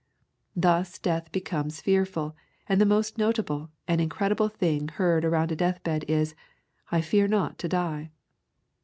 Thus death becomes fearful, and the most notable and incredible thing heard around a death bed is, "I fear not to die."